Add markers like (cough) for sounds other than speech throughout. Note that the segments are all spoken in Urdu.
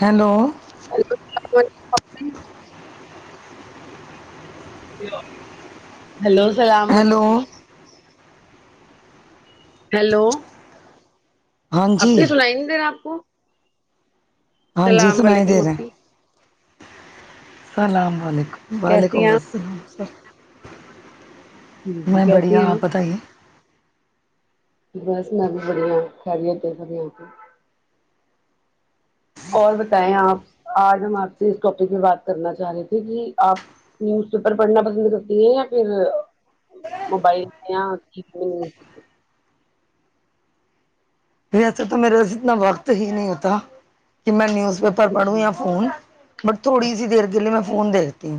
ہیلو اپڑ (unintelligible) ہلو السلام ع ہیلو ہیلو ہاں جی آپنی سنائیں گے دیرا آپ کو ہاں جی السلام سنا ہی دے علیکم رہا ہیں اپی السلام علیکم کیسی ہیں وعلیکم السلام آپ جی جی میں کیسی بڑھیا ہیں آپ بتائیے بس میں بھی بڑھیا خریت س آ کی (unintelligible) اور بتائیں آپ آج ہم آپ سے اس ٹاپک میں بات کرنا چاہ رہے تھے کہ آپ نیوز پیپر پڑھنا پسند کرتی ہیں یا پھر موبال سے یا (unintelligible) پھر ایسے تو میرے اتنا وقت ہی نہیں ہوتا کہ میں نیوز پیپر پڑھوں جی یا فون بٹ تھوڑی سی دیر کے لیے میں فون دیکھتی ہوں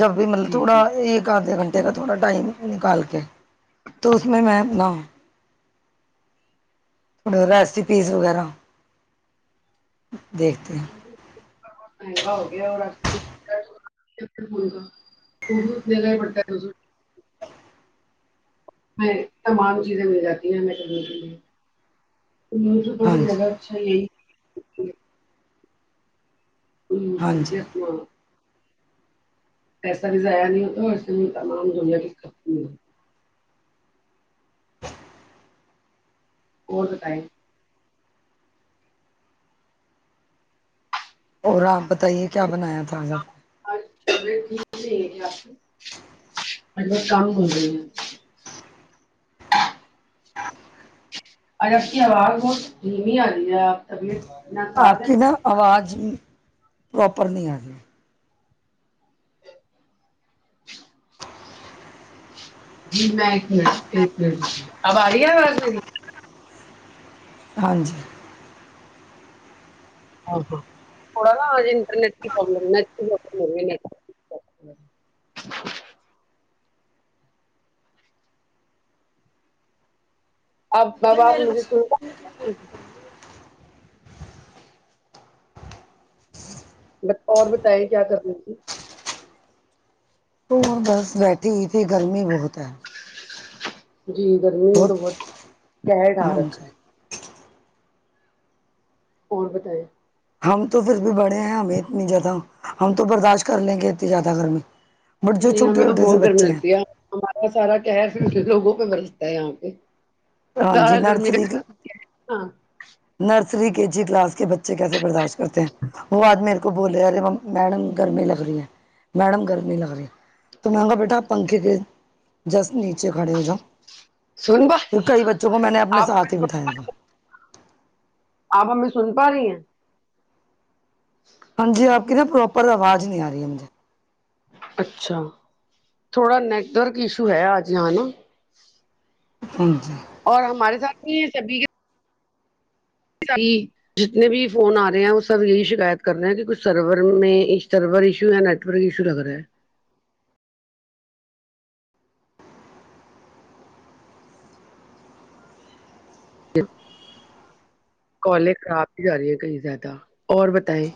جب بھی مطلب جی تھوڑا جی ایک آدھا گھنٹہ دیکھا تھوڑا ٹائم نکال کے تو اس میں م اپنا ریسپیز وغیرا دیکھتے ہیں مہنگا ہو گیا اورا (unintelligible) میں تمام چیزیں مل جاتی ہیں میں کے اوپر ہاں سے جی جگہ اچھا جی کو یوز ہاں کر جی کے آپ کو پیسا بھی ضائع نہیں ہوتا اور اسس تمام دنیا ک مل ہے اور بتائیں اور آپ بتائیے کیا بنایا تھا آ آب (unintelligible) (inaudible) (unintelligible) (inaudible) اور اب کی آواز بہت دھیمی آ رہی ہے آپ طبیعت نے ناساز آپ ہے کی نا کیا آواز پراپر نہیں آ رہی جی میں ایک منٹ ایک منٹ اب آ رہی ہے آواز میری ہاں جی تھوڑا نا انٹرنیٹ کی پرابلم نیٹ بلم ہو نٹ آپ بابا آپ مجھے س اور بتے کیا کرنی تھی تو بس بیٹھی ہی تھی گرمی بہت ہے جی گرمی نے تو بہت قہر ڑھا ہاں جی ہے اور بتائییں ہم تو پھر بھی بڑے ہیں ہمیں اتنی جیادہ ہم تو برداشت کر لیں گے اتنی زیادہ گر میں نہیں ہمیں تو بہت گرمی لگتی ہے ہمارا سارا کہر پ لوگوں پہ برستا ہے یہاں پہ ہاں جی سارا گرمی نرسری کا ہاں نرسری کے جی کلاس کے بچے اچھے کیسے برداشت کرتے ہیں وہ آج میرے کو بول رہے ارے میڈم گر میں لگ رہی ہے میڈم گر نہیں لگ رہی تو میںگا بیٹا پنکھے کے جس نیچے کھڑے ہو جاؤ سن پا پھر کئی بچوں کو میں نے اپنے آپ ساتھ ہی بٹھایا تھا آپ ہمیں سن پا رہی ہیں (inaudible) ہاں جی آپ کی نا پروپر آواز نہیں آ رہی ہے مجھے اچھا تھوڑا نیٹورک ایشو ہے آج ہے نا ہمم اور ہمارے ساتھ ہی سبھی کے جی جتنے بھی فون آ رہے ہیں وہ سب یہی شکایت کر رہے ہیں کہ کچھ سرور میں سرور ایشو ہے نیٹ سرور ایشو لگ رہا ہے (inaudible) کالے خراب ہی جا رہی ہے کہئی زیادہ اور بتائیں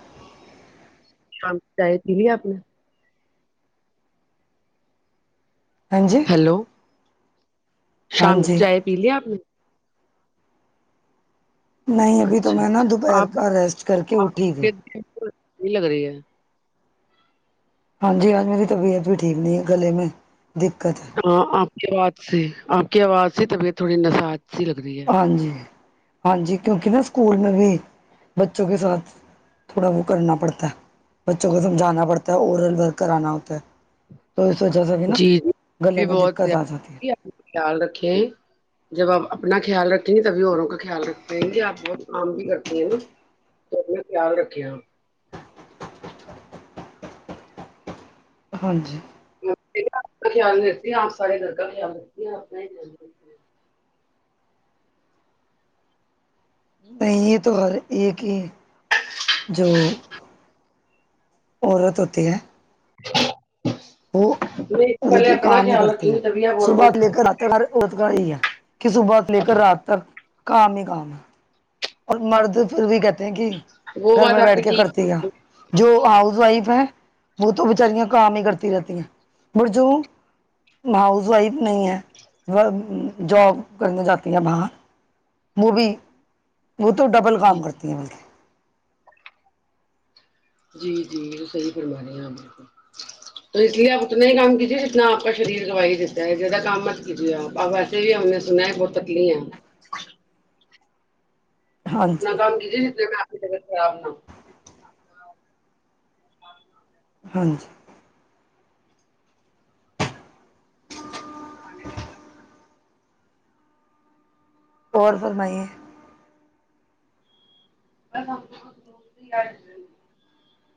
شام چی کی لی آپ نے ہاں جی ہیلو ہاں شام کی جی چائے پی ل آپ نے نہیں ابھی تو اچھا میں نا اچھا دوپہر آپ کا ریسٹ کر کے اٹھی تھی آپھیتی لگ رہی ہے (unintelligible) ہاں جی ہج میری طبیعت بھی ٹھیک نہیں ہے گلے میں دقت ہے ہاں آپ کی آواز سے آپ کی آواز سے طبیعت تھوڑی نژاج سی لگ رہی ہے ہاں جی ہاں جی کیونکہ نہا اسکول میں بھی بچوں کے ساتھ تھوڑا وہ کرنا پڑتا ہے بچوں کو سمجھانا پڑتا ہے اورل ورک کرانا ہوتا ہے تو اس وجہ سے بھی نا جی جی گلے بھی میں بہت دقت آ زیادہ جاتی ہے اپنا خیال رکھے جب آپ اپنا خیال رکھیں گی تبھی اوروں کا خیال رکھ پائیں گے آپ بہت کام بھی کرتی ہیں نا توا خیال رکھے ہاں جی کا خیال نہیں رکھتی آپ ساریے لرگا کا خیال رکھتی ہیں اپنا ہی (unintelligible) (unintelligible) نہیں یہ تو ہر یہ کہ جو عورت ہوتی ہے وہ میں تو مطلب پہلے کہ اپنا خیال رکھیں گی تبیا بوروں کا (unintelligible) ورتکار یہی ہے کہ صبح لے کر رات تک کام ہی کام ہے اور مرد پھر بھی کہتے ہیں کہ وہ گھر بات میں آپ بیٹھ کی کے ٹھیک کرتی ہے جو ہاؤس وائف ہے وہ تو بچاریاں کام ہی کرتی رہتی ہیں پر جو ہاؤس وائف نہیں ہے جاب کرنے جاتی ہے باہر وہ بھی وہ تو ڈبل جی کام کرتی ہیں بلکہ جی جی صحیح پرم رہے ہے آاں میرے کو بچ (inaudible) تو اس لیے آپ اتنا ہی کام کیجیے جتنا آپ کا شریر گوائی ہی دیتا ہے جدا کام مت کیجیے آپ بس آ نے سنا ہے بہت تکلی آ ہاں جی دام کسیے آشی ا سامنا (unintelligible) ہ (unintelligible) ہاں جی ان (unintelligible) اور فرمائیے ب ہمپ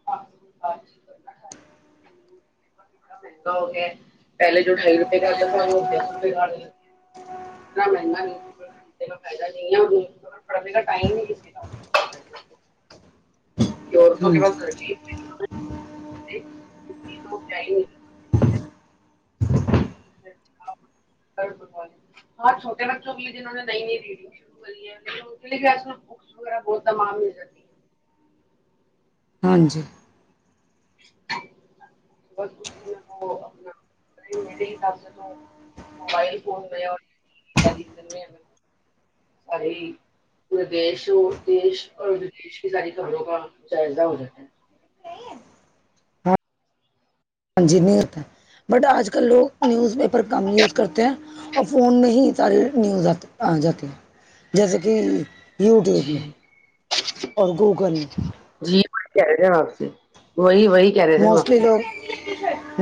بات کرنا (unintelligible) اوکے (unintelligible) پہلے جو ڈھائی روپئے کا آتا تھا وہ اب دس روپیئے کا آنے لگتے ت مہن کا ف ہے پڑے کا ٹائم نہیں کسی کا (unintelligible) اور تو ہاں کی جی ترکی (unintelligible) ج (unintelligible) چبچ (inaudible) والے ہاں چھوٹے بچوں کے لیے جنہوں نے نئی نہیں د دیی (unintelligible) بکس وغہ بہت امان مل جتی ہیں (unintelligible) ہاں جی بت خش میں وہ اپنا میرے حساب سے تو (unintelligible) موبائل فون میں سارے (unintelligible) پورے دیش دیش اوردش کی ساری کہانوں کا جائزہ ہو جاتا ہے (unintelligible) جی نہیں ہوتا ہے بٹ آج کل لوگ نیوز پیپر کم یوز کرتے ہیں اور فون میں ہی ساریے نیوز آ آ جاتے ہیں جیسے کہ یوٹیوب میں جی اور گوگل میں جی وہ کہ رہ آپ سے وہی وہی کہہ رہے تھے ہم آپ موسٹلی سے لوگ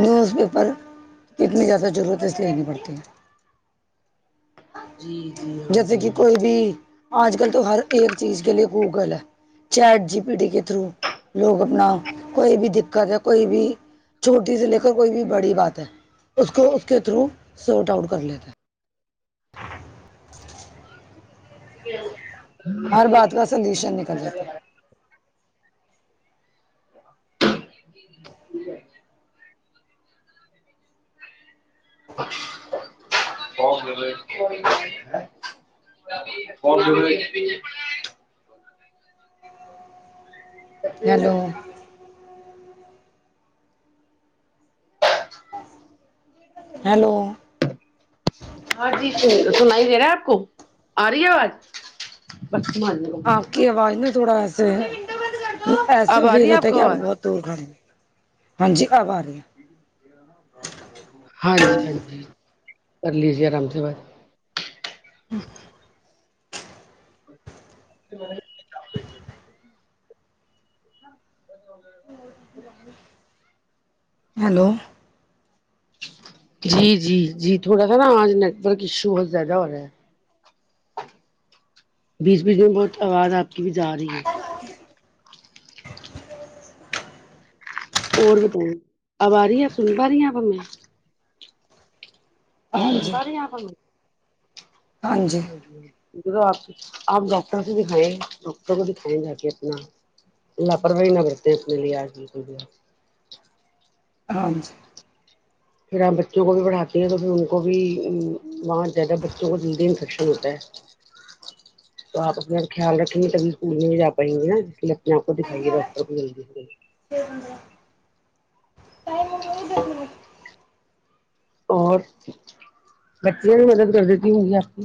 نیوز پیپر کی اتنی زیادہ ضرورت ہے اس لیےین پڑتی ہے جی جی ہاں جیسے جی کہ ہاں کوئی بھی آج کل تو ہر ایک چیز کے لیے گوگل ہے چیٹ جی پی ڈی کے تھرو لوگ اپنا کوئی بھی دقت ہے کوئی بھی چھوٹی سی لے کر کوئی بھی بڑی بات ہے اس کو اس کے تھرو سوٹ آؤٹ کر لیتے ہیں (unintelligible) ہر بات کا سلوشن نکل جاتا ہے (inaudible) (inaudible) (unintelligible) کون ہیلو (inaudible) ہیلو ہاں جی سنائی دے رہا ہے آپ کو آ رہی ہے آواز (unintelligible) آپ کی آواز ن تھوڑا ایسے ایسے اب آ بھیی رہی ہے آپ ہوتے کو کیا ہم آواز بہت رہ ہاں جی آب آ رہی ہے ہاں جی ہاں جی کر لی جی آرام سے بات (inaudible) (inaudible) (inaudible) ہیلو جی جی جی تھوڑا سا نا آج نیٹ ورک ایشو بہت زیادہ ہو رہا ہے بیچ بیچ میں بہت آواز آپ کی بھی جا رہی ہے اور بتاؤ اب ارہی ہے اب سن پا رہی ہے ہمیں اب ہاں سن جی پا رہے آپ ہمے ہاں جی آپ آپ ڈاکٹر کو دکھائےیں ڈاکٹر کو دکھائیں جا کے اپنا الا پروی نہ کرتے ہیںے آج بالکل بھی ہاں جی پھر آپ بچوں کو بھی پڑھاتے ہیں تو پھر ان کو بھی وہاں زیادہ بچوں کو جلدی انفیکشن ہوتا ہے (inaudible) تو آ اپنا خیال رکھیں گی تب اسکول نہی جا پائیے گا نا اس لیے اپنے آپ کو دکھائیے ڈاکٹر کو جلی پھر اور بچیاں بھی مدد کر دیتی ہونگی آپ کی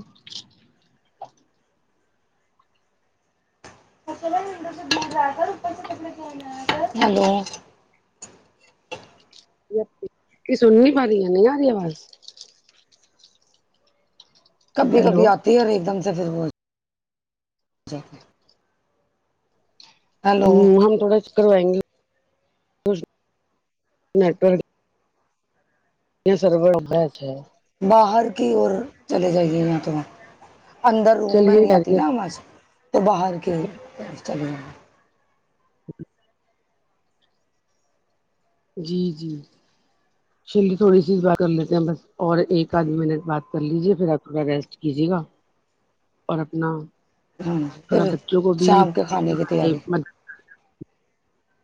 ہیلو جی اپپی سن نہیں پا رہی نہیں ارہی اواز کبھی ہیلو کبھی آتی ہے اور ایک دم سے پھر وہ ہیلو ہوں ہم تھوڑا سا کروائیں گے نیٹورک (unintelligible) باہر کی اور چلے جائیے یہاں تو اندر روم میں چلیے نہیں آتی نا خیریت اواز تو باہر کی اور چلے جاے (inaudible) جی جی (inaudible) چلیے تھوڑی سی بات کر لیتے ہیں بس اور ایک آدھ منٹ بات کر لیجیے پھر آپ تھوڑا ریسٹ کیجیے گا (inaudible) اور اپنا ہاں تھوڑا پھر بچوں کو بھی شام کے کھانے کی تیاری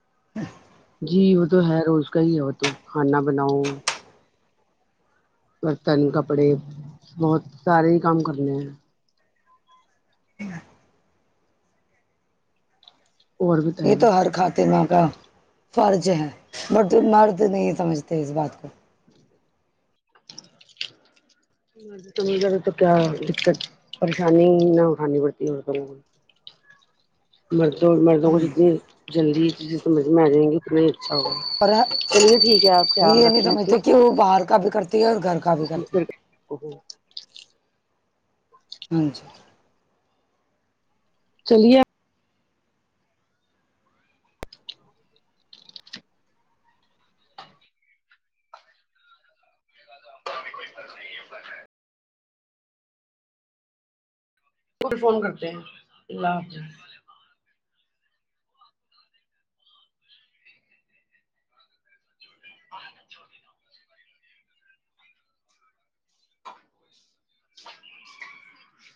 (inaudible) جی وہ تو ہے روز کا ہی ہے وہ تو کھانا بناؤ برتن کپڑے بہت سارے ہی کام کرنے ہیں اور یہ بتائیں تو ہر خا ماں کا فرض ہے لیکن مرد نہیں سمجھتے اس بات کو (inaudible) مرد سمجھ جائے تو کیا دقت پریشانی نہ اٹھانی پڑتی عورتوں کو (inaudible) مردوں مردوں کو جتنی جلدی چیزیں سمجھ میں آ جائیں گی اتنا ہی اچھا ہوگا اور چلیے ٹھیک ہے آپ خیال رکھے اپنا تو باہر کا بھی کرتی ہے اور گھر کا بھی کرتی ہے (unintelligible) (inaudible) ہاں جی چلیے (inaudible) کو بھی فون کرتے ہیں اللہ حافظ (unintelligible) (inaudible)